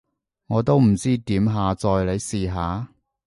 我都唔知點下載，你試下？